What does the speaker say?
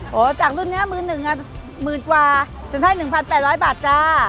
โหจากรุ่นนี้มืดกว่าจนให้๑๘๐๐บาทจ้า